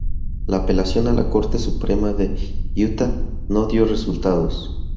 La apelación a la Corte Suprema de Utah no dio resultados.